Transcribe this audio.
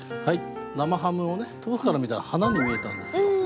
生ハムを遠くから見たら花に見えたんですよ。